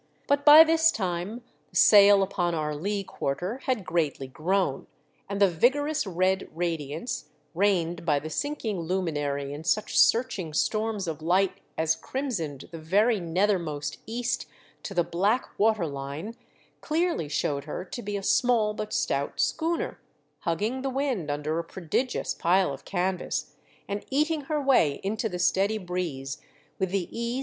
But by this time the sail upon our lee quarter had gready grown, and the vigorous red radiance, rained by the sinking luminary in such searching storms of light as crimsoned the very nethermost east to the black water line, clearly showed her to be a small but stout schooner, hugging the wind under a prodigious pile of canvas, and eating her way into the steady breeze with the ease 352 THE DEATH SHIP.